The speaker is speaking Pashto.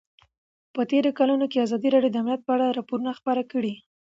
په تېرو کلونو کې ازادي راډیو د امنیت په اړه راپورونه خپاره کړي دي.